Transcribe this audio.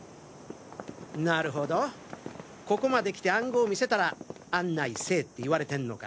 なるほどここまで来て暗号見せたら案内せえって言われてんのか。